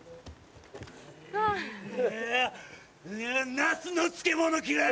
ナスの漬物嫌い！